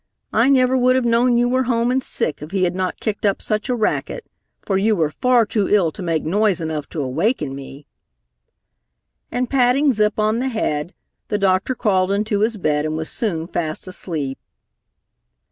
I never would have known you were home and sick if he had not kicked up such a racket, for you were far too ill to make noise enough to awaken me," and patting Zip on the head, the doctor crawled into his bed and was soon fast asleep.